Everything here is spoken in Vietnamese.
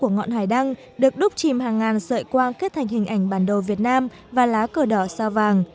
ngọn hải đăng kết thành hình ảnh bản đồ việt nam và lá cờ đỏ sao vàng